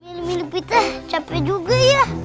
milih milih pita capek juga ya